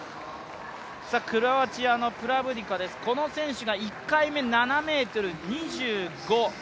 クロアチアのプラブディカこの選手が１回目、７ｍ２５。